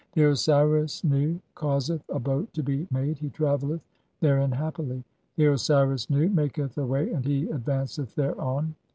(19) The Osiris Nu causeth a boat to be "made, he travelleth therein happily ; the Osiris Nu maketh a "way and he advanceth thereon.